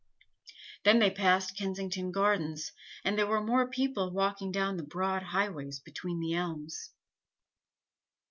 Then they passed Kensington Gardens, and there were more people walking down the broad highways between the elms.